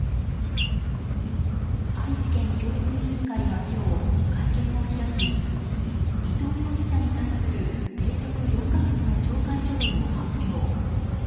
愛知県教育委員会は今日会見を開き伊藤容疑者に対する停職４か月の懲戒処分を発表。